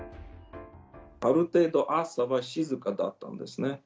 ある程度、朝は静かだったんですね。